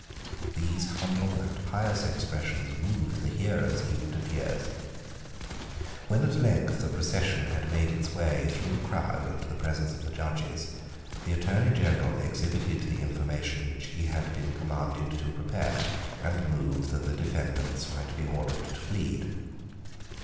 These humble and pious expressions moved the hearers, even to tears. When at length the procession had made its way through the crowd into the presence of the judges, the Attorney General exhibited the information which he had been commanded to prepare, and moved that the defendants might be ordered to plead.